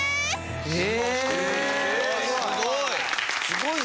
すごい！